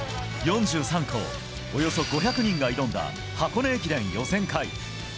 ４３校、およそ５００人が挑んだ箱根駅伝予選会。